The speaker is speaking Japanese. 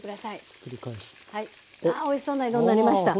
あおいしそうな色になりました。